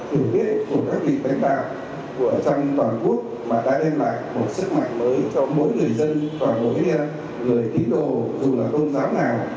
sự tôn trọng biểu hiện của các vị tên bào trong toàn quốc đã đem lại một sức mạnh mới cho mỗi người dân và mỗi người thí đồ dù là tôn giáo nào